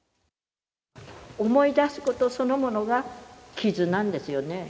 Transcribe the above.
思い出すことそのものが傷なんですよね。